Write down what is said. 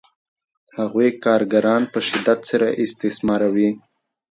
هغوی کارګران په شدت سره استثماروي